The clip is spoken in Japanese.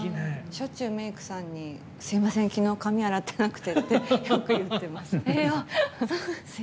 しょっちゅうメークさんにすみません、きのう髪、洗ってなくてってよく言ってます。